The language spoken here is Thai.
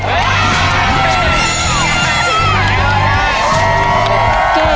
เกมต่อชีวิต